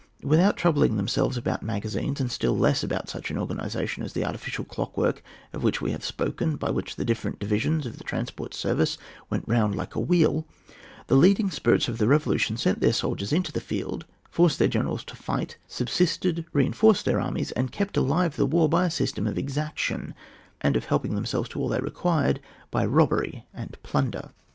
Without troubling themselves about magazines, and stiU less about such an organisation as the artificial clockwork of which we have spoken, by which the different divisions of the transport service went round like a wheel, the leading spirits of the revolution sent their soldiers into the field, forced their generals to fight, sub sisted, reinforced Uieir armies, and kept alive the war by a system of exaction, and of helping themselves to all they required by robbery and plunder.